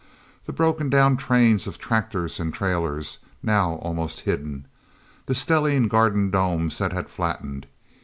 The broken down trains of tractors and trailers, now almost hidden. The stellene garden domes that had flattened.